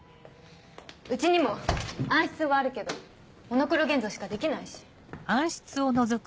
うちにも暗室はあるけどモノクロ現像しかできないし。